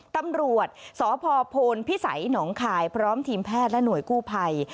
ตำรวจสพโพนพิสัยหนองคายพร้อมทีมแพทย์และหน่วยกู้ภัย